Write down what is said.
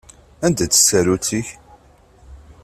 Anda-tt tsarut-ik?